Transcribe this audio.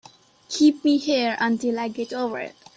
Keep me here until I get over it.